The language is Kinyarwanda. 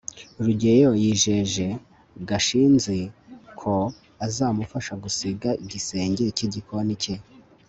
rugeyo yijeje gashinzi ko azamufasha gusiga igisenge cy'igikoni cye